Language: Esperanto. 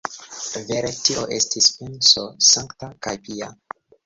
Vere, tio estis penso sankta kaj pia.